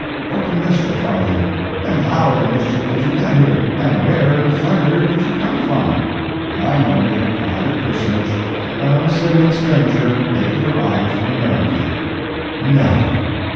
What the mischief are you? and how the mischief did you get here, and where in thunder did you come from?" "I'm only a private personage—an unassuming stranger—lately arrived from America." "No?